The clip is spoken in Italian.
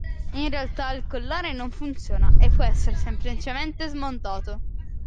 In realtà il collare non funziona e può essere semplicemente smontato.